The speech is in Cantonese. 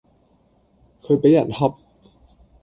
佢畀人恰